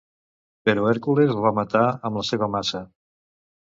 Però Hèrcules el va matar amb la seva maça.